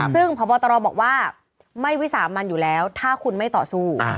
ซึ่งพบตรบอกว่าไม่วิสามันอยู่แล้วถ้าคุณไม่ต่อสู้